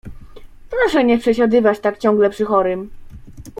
— Proszę nie przesiadywać tak ciągle przy chorym.